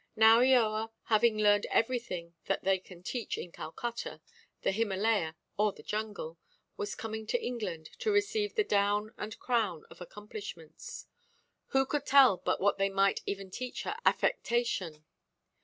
Now Eoa, having learned everything that they can teach in Calcutta, the Himalayah, or the jungle, was coming to England to receive the down and crown of accomplishments. Who could tell but what they might even teach her affectation?